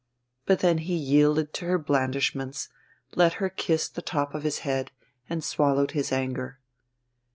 But then he yielded to her blandishments, let her kiss the top of his head, and swallowed his anger.